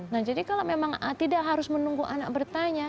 nah jadi kalau memang tidak harus menunggu anak bertanya